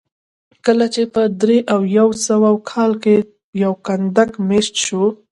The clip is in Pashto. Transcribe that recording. کله چې په درې او یو سوه کال کې یو کنډک مېشت شو